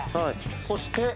そして。